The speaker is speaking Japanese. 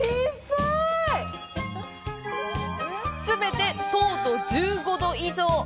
全て糖度１５度以上！